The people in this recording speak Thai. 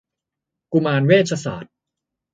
กุมารเวชศาสตร์